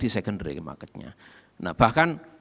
di secondary marketnya nah bahkan